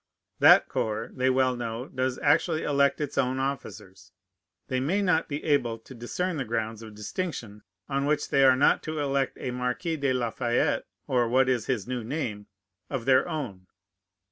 That corps, they well know, does actually elect its own officers. They may not be able to discern the grounds of distinction on which they are not to elect a Marquis de La Fayette (or what is his new name?) of their own.